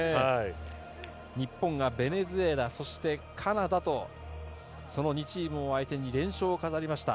日本がベネズエラそしてカナダとその２チームを相手に連勝を飾りました。